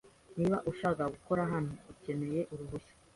Niba ushaka gukora hano, ukeneye uruhushya.